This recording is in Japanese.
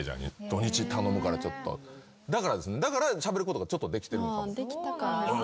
「土日頼むからちょっと」だからしゃべることがちょっとできてるのかも。